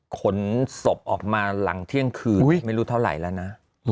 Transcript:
ขนศพออกมาหลังเที่ยงคืนไม่รู้เท่าไหร่แล้วนะ